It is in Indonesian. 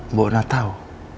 mbak ona tau